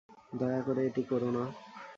দয়া করে এটি করো না।